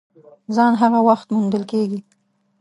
ځان هغه وخت موندل کېږي !